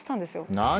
何。